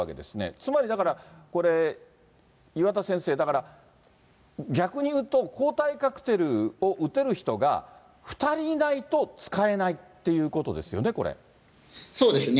つまりだから、これ、岩田先生、だから、逆にいうと、抗体カクテルを打てる人が２人いないと使えないっていうことですそうですね。